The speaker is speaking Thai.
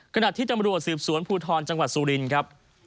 ขณะที่จำนวนสื่อสวนภูทรจังหวัดซูลินครับ